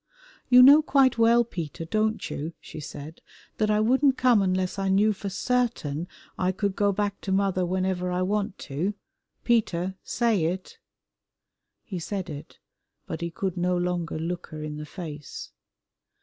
"You know quite well, Peter, don't you," she said, "that I wouldn't come unless I knew for certain I could go back to mother whenever I want to? Peter, say it!" He said it, but he could no longer look her in the face.